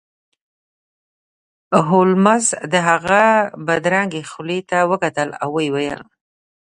هولمز د هغه بدرنګې خولې ته وکتل او ویې ویل